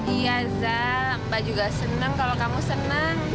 iya zah mbak juga senang kalau kamu senang